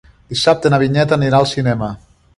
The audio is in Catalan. Dissabte na Vinyet anirà al cinema.